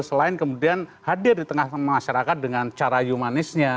selain kemudian hadir di tengah masyarakat dengan cara humanisnya